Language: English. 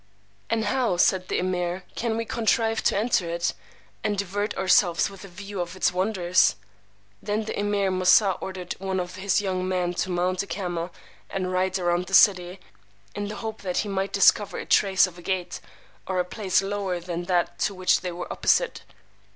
And how, said the Emeer, can we contrive to enter it, and divert ourselves with a view of its wonders? Then the Emeer Moosà ordered one of his young men to mount a camel, and ride round the city, in the hope that he might discover a trace of a gate, or a place lower than that to which they were opposite.